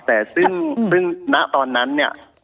แต่ซึ่งณตอนนั้นเนี่ย